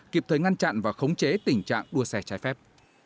kịp thời ngăn chặn và khống chế tình trạng đua xe trái phép